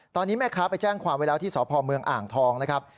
ตอนนี้แม่ค้าไปแจ้งความไว้แล้วที่สพเมืองอ่างทองนะครับ